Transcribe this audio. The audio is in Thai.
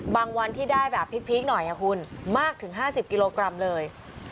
วันที่ได้แบบพีคหน่อยคุณมากถึง๕๐กิโลกรัมเลย